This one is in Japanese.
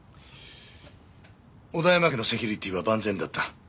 小田山家のセキュリティは万全だった。